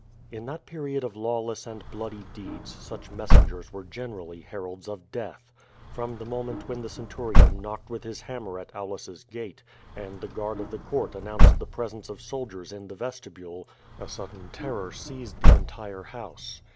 In that period of lawless and bloody deeds such messengers were generally heralds of death. From the moment when the centurion knocked with his hammer at Aulus's gate, and the guard of the court announced the i)resencc of soldiers in the vestibule, a sudden terror seized the entire house.